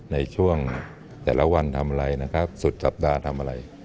ในช่วงแต่ละวันทำอะไรนะครับสุดสัปดาห์ทำอะไร